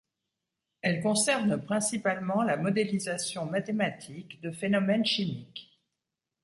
Elle concerne principalement la modélisation mathématique de phénomènes chimiques.